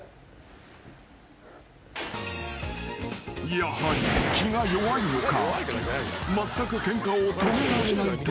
［やはり気が弱いのか］